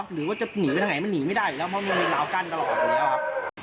หรือว่าจะหนีไปทางไหนมันหนีไม่ได้อยู่แล้วเพราะมันเป็นราวกั้นตลอดอยู่แล้วครับ